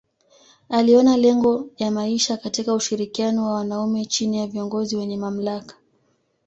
Aliona lengo ya maisha katika ushirikiano wa wanaume chini ya viongozi wenye mamlaka.